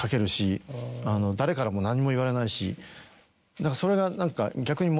だからそれが何か。